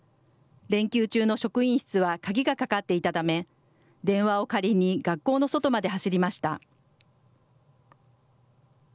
連休中の職員室は鍵がかかっていたため電話を借りに学校の外まで走りました。